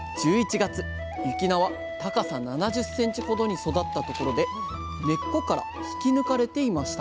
月雪菜は高さ７０センチほどに育ったところで根っこから引き抜かれていました